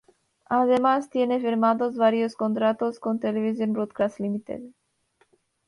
Además tiene firmados varios contratos con "Television Broadcast Limited".